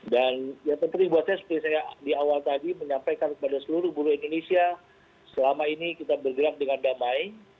dan yang penting buat saya seperti saya di awal tadi menyampaikan kepada seluruh buruh indonesia selama ini kita bergerak dengan damai